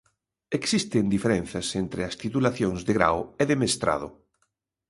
Existen diferenzas entre as titulacións de grao e de mestrado.